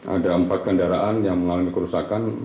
ada empat kendaraan yang mengalami kerusakan